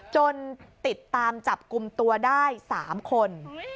ติดตามจับกลุ่มตัวได้๓คน